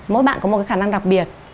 mỗi bạn có một khả năng đặc biệt